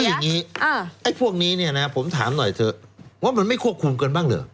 อย่างนี้ไอ้พวกนี้เนี่ยนะผมถามหน่อยเถอะว่ามันไม่ควบคุมกันบ้างเหรอ